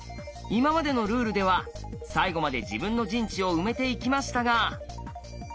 今までのルールでは最後まで自分の陣地を埋めていきましたが。